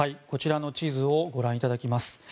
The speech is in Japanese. こちらの地図をご覧いただきます。